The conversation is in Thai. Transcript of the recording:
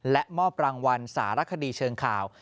และมอบรางวัลสารคดีเชิงข่าว